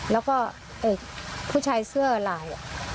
แล้วก็ผู้ชายเสื้อลาย